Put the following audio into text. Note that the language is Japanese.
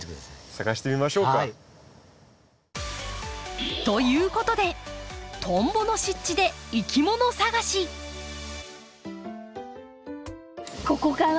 探してみましょうか。ということでトンボの湿地でここかな。